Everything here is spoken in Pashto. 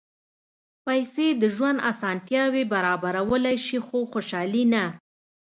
پېسې د ژوند اسانتیاوې برابرولی شي، خو خوشالي نه.